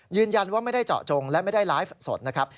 ยืนยันว่าไม่ได้เจาะจงและไม่ได้ไลฟ์สดนะครับ